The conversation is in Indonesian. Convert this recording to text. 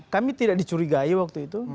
kami tidak dicurigai waktu itu